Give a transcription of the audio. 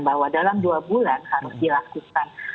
bahwa dalam dua bulan harus dilakukan